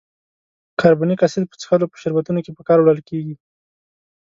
کاربونیک اسید په څښلو په شربتونو کې په کار وړل کیږي.